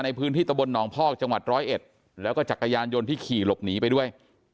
ในพื้นที่ตะบลหนองพอกจังหวัดร้อยเอ็ดแล้วก็จักรยานยนต์ที่ขี่หลบหนีไปด้วย